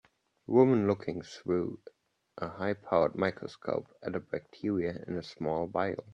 Woman looking through a highpowered microscope at a bacteria in a small vial